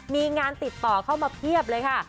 มีงานติดต่อเข้ามาเพียบเลยค่ะ